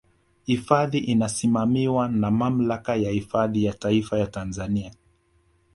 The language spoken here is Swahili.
Hifadhi inasimamiwa na Mamlaka ya Hifadhi ya Taifa ya Tanzania